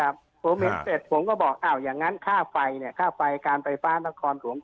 ผมก็บอกอย่างนั้นฝ่ายการไฟฟ้ามหาลของหล่ม